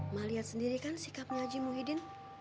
ma lihat sendiri kan sikapnya haji muhyiddin